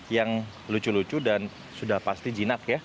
yang lucu lucu dan sudah pasti jinak ya